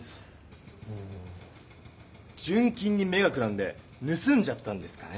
純金に目がくらんでぬすんじゃったんですかね？